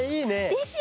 でしょ！